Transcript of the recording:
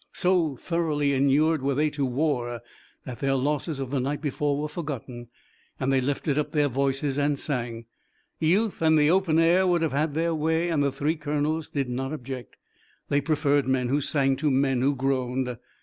So thoroughly inured were they to war that their losses of the night before were forgotten, and they lifted up their voices and sang. Youth and the open air would have their way and the three colonels did not object. They preferred men who sang to men who groaned.